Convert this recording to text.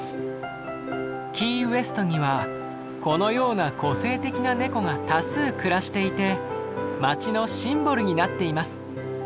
キーウェストにはこのような個性的なネコが多数暮らしていて町のシンボルになっています。